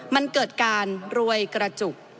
มันเกิดการรวยกระจุก